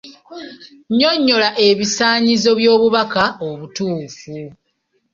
Nnyonnyola ebisaanyizo by'obubaka obutuufu.